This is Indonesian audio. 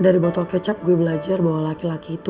dari botol kecap gue belajar bahwa laki laki itu